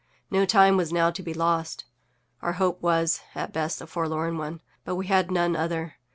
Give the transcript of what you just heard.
No time was now to be lost. Our hope was, at best, a forlorn one, but we had none other.